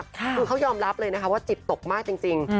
คือเขายอมรับเลยนะคะว่าจิตตกมากจริง